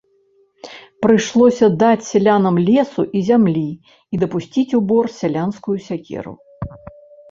Прыйшлося даць сялянам лесу і зямлі і дапусціць у бор сялянскую сякеру.